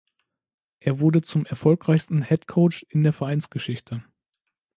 Er wurde zum erfolgreichsten Head Coach in der Vereinsgeschichte.